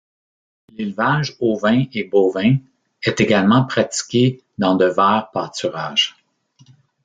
L'élevage ovin et bovin est également pratiqué dans de verts pâturages.